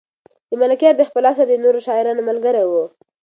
ملکیار د خپل عصر د نورو شاعرانو ملګری و.